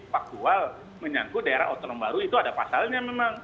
paktual menyanku daerah otonom baru itu ada pasalnya memang